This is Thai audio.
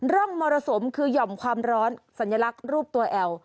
ร่องมรสุมคือหย่อมความร้อนสัญลักษณ์รูปตัวแอล